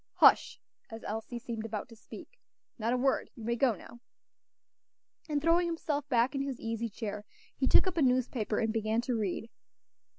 Hush!" as Elsie seemed about to speak; "not a word. You may go now." And throwing himself back in his easy chair, he took up a newspaper and began to read.